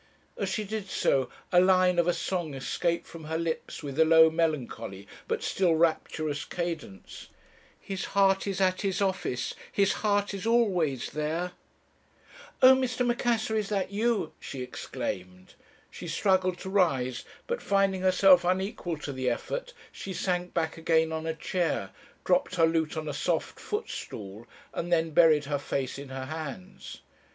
As she did so, a line of a song escaped from her lips with a low, melancholy, but still rapturous cadence 'His heart is at his office, his heart is always there.' "'Oh, Mr. Macassar, is that you?' she exclaimed. She struggled to rise, but, finding herself unequal to the effort, she sank back again on a chair, dropped her lute on a soft footstool, and then buried her face in her hands.